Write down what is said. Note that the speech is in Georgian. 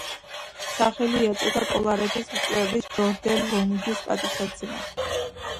სახელი ეწოდა პოლარეთის მკვლევრის ჯორჯ დე ლონგის პატივსაცემად.